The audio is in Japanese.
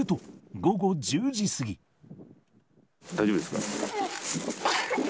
大丈夫ですか？